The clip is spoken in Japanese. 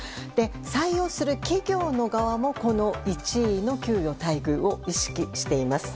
採用する企業の側もこの１位の給与・待遇を意識しています。